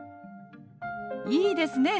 いいですね。